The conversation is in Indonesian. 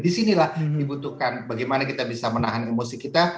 disinilah dibutuhkan bagaimana kita bisa menahan emosi kita